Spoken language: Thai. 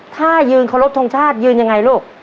ถ้ายืนเคารพทงชาติยืนยังไงลูก